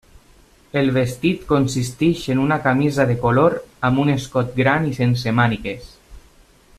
El vestit consisteix en una camisa de color amb un escot gran i sense mànigues.